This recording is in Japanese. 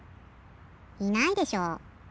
いないでしょ。